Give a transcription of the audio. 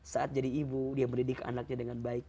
saat jadi ibu dia mendidik anaknya dengan baik